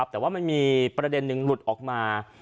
แต่ว่ามันมีประเด็นหนึ่งหลุดออกมา